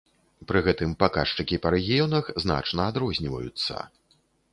Пры гэтым паказчыкі па рэгіёнах значна адрозніваюцца.